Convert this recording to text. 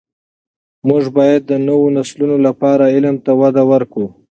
موږ باید د نوو نسلونو لپاره علم ته وده ورکړو.